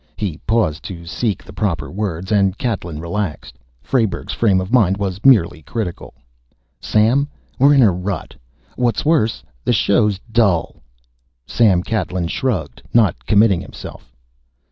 He paused to seek the proper words, and Catlin relaxed. Frayberg's frame of mind was merely critical. "Sam, we're in a rut. What's worse, the show's dull!" Sam Catlin shrugged, not committing himself.